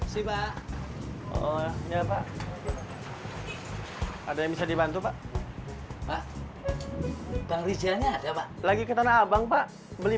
siapak oh ya pak ada yang bisa dibantu pak pak tangisnya ada lagi ke tanah abang pak beli